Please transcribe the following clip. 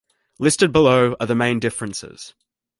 Listed below are the main differences.